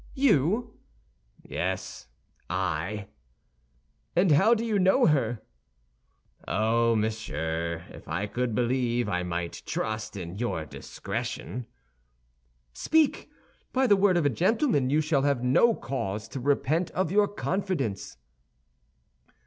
"You?" "Yes; I." "And how do you know her?" "Oh, monsieur, if I could believe I might trust in your discretion." "Speak! By the word of a gentleman, you shall have no cause to repent of your confidence."